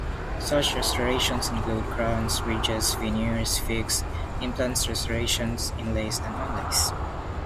Such Restorations include; crowns, bridges, veneers, fixed implant restorations, inlays and onlays.